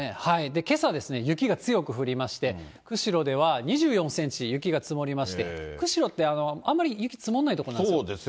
けさ、雪が強く降りまして、釧路では２４センチ雪が積もりまして、釧路ってあんまり雪積もんない所なんですよ。